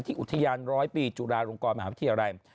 อุทยานร้อยปีจุฬาลงกรมหาวิทยาลัย